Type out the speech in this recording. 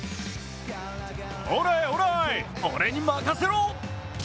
オーライ、オーライ、俺に任せろ！